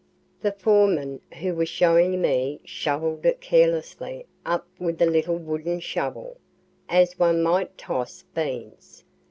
The foreman who was showing me shovel'd it carelessly up with a little wooden shovel, as one might toss beans.